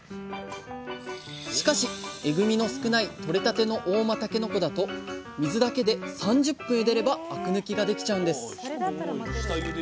しかしえぐみの少ないとれたての合馬たけのこだと水だけで３０分ゆでればあく抜きができちゃうんです！